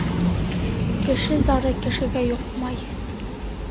Кеше зары кешегә йоҡмай.